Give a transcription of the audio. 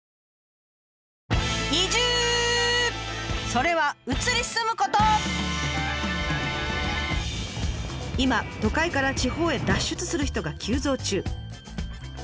それは今都会から地方へ脱出する人が急増中。